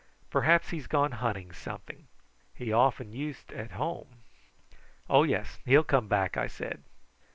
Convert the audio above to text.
Perhaps he's gone hunting something. He often used at home." "Oh, yes; he'll come back," I said.